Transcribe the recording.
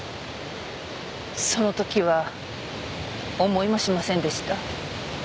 その時は思いもしませんでした。